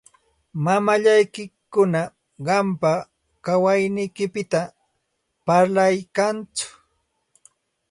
Mamallakuna qampa kawayniykipita parlaykanku.